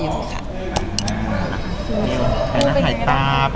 ก็เป็นอีกประสบการณ์หนึ่งสำหรับการชมภาพยนตร์ค่ะ